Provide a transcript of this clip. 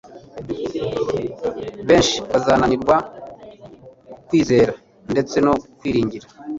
benshi bazananirwa kwizera ndetse no kwiringira.